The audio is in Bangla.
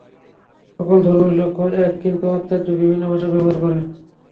সকল ধর্মেরই লক্ষ্য এক, কিন্তু আচার্য বিভিন্ন ভাষা ব্যবহার করেন।